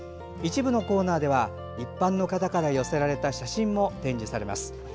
一部のコーナーでは一般の方から寄せられた写真も展示されます。